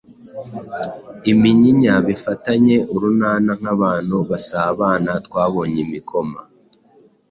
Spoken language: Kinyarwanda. iminyinya bifatanye urunana nk’abantu basabana. Twabonye imikoma